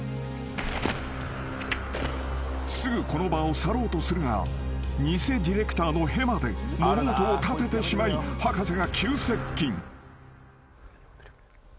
［すぐこの場を去ろうとするが偽ディレクターのへまで物音を立ててしまい博士が急接近］